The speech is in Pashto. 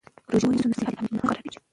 که روژه ونیسو نو صحت نه خرابیږي.